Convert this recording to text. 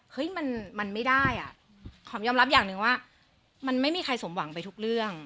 เฮ้ยมันไม่ได้อ่ะหอมยอมรับอย่างหนึ่งว่ามันไม่มีใครสมหวังไปทุกเรื่อง